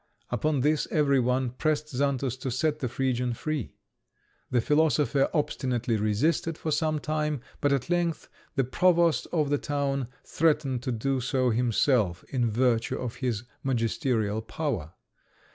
Upon this every one pressed Xantus to set the Phrygian free. The philosopher obstinately resisted for some time; but at length the provost of the town threatened to do so himself, in virtue of his magisterial power.